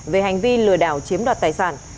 về hành vi lừa đảo chiếm đoạt tài sản